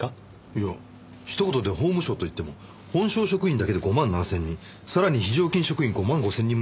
いや一言で法務省といっても本省職員だけで５万７０００人さらに非常勤職員５万５０００人もいますからね。